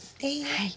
はい。